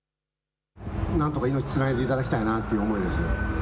なんとか命をつないでいただきたいという思いです。